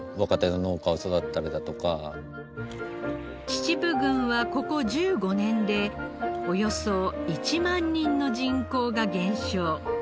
秩父郡はここ１５年でおよそ１万人の人口が減少。